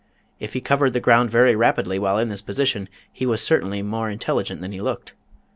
If he covered the ground very rapidly while in this position, he was certainly more intelligent than he looked.